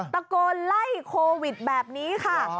ตะโกนไล่โควิดแบบนี้ค่ะ